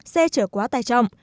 xe chở quá tay trong